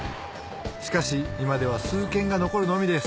しかし今では数軒が残るのみです